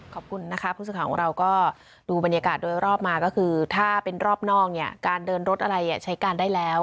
ขอบคุณนะคะผู้สื่อข่าวของเราก็ดูบรรยากาศโดยรอบมาก็คือถ้าเป็นรอบนอกเนี่ยการเดินรถอะไรใช้การได้แล้ว